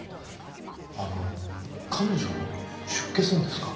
あの彼女出家するんですか？